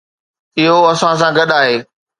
اهو اسان سان گڏ آهي.